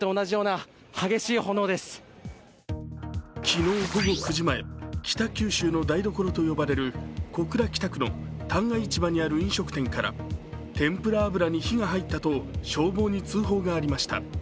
昨日午後９時前、北九州の台所と呼ばれる小倉北区の旦過市場にある飲食店からてんぷら油に火が入ったと消防に通報がありました。